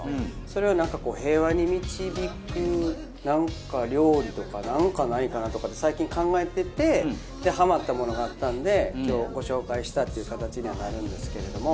それをなんかこう平和に導くなんか料理とかなんかないかなとかって最近考えててハマったものがあったんで今日ご紹介したっていう形にはなるんですけれども。